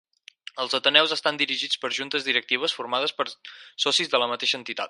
Els ateneus estan dirigits per juntes directives formades per socis de la mateixa entitat.